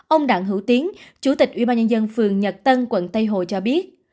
ông đặng hữu tiến chủ tịch ubnd phường nhật tân quận tây hồ cho biết